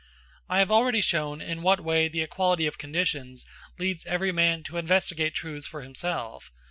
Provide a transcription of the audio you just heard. I have already shown in what way the equality of conditions leads every man to investigate truths for himself.